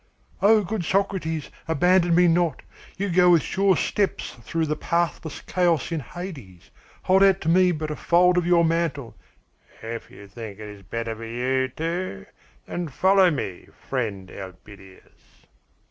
"Oh, good Socrates, abandon me not! You go with sure steps through the pathless chaos in Hades. Hold out to me but a fold of your mantle " "If you think it is better for you, too, then follow me, friend Elpidias."